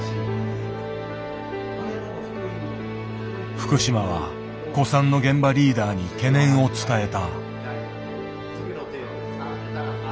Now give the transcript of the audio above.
福島は古参の現場リーダーに懸念を伝えた。